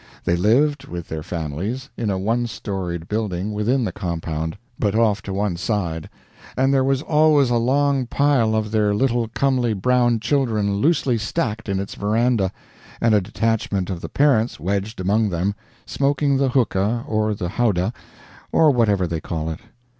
They lived, with their families, in a one storied building within the compound, but off to one side, and there was always a long pile of their little comely brown children loosely stacked in its veranda, and a detachment of the parents wedged among them, smoking the hookah or the howdah, or whatever they call it.